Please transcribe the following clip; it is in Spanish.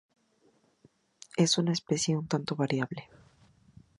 Es una especie un tanto variable.